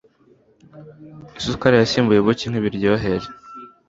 Isukari yasimbuye ubuki nkiburyoheye.